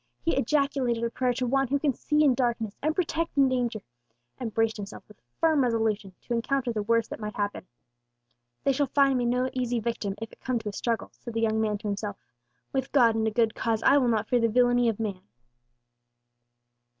He ejaculated a prayer to One who can see in darkness, and protect in danger, and braced himself with firm resolution to encounter the worst that might happen. "They shall find me no easy victim, if it come to a struggle," said the young man to himself; "with God and a good cause I will not fear the villany of man."